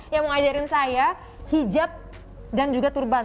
yang mau ngajarin saya hijab dan juga turban